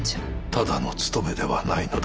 ただの盗めではないのだ。